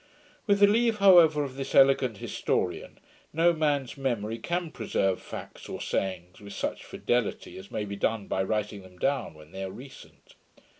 With the leave, however, of this elegant historian, no man's memory can preserve facts or sayings with such fidelity as may be done by writing them down when they are recent.